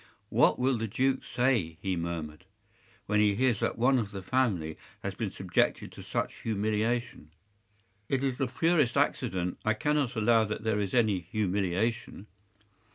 “What will the duke say,” he murmured, “when he hears that one of the family has been subjected to such humiliation?” “It is the purest accident. I cannot allow that there is any humiliation.